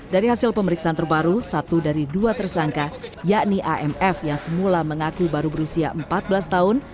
dari hasil pemeriksaan terbaru satu dari dua tersangka yakni amf yang semula mengaku baru berusia empat belas tahun